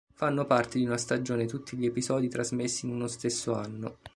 Fanno parte di una stagione tutti gli episodi trasmessi in uno stesso anno.